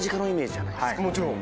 もちろん。